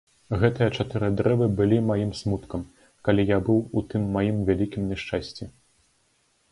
Гэтыя чатыры дрэвы былі маім смуткам, калі я быў у тым маім вялікім няшчасці.